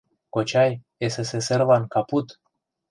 — Кочай, СССР-лан — капут.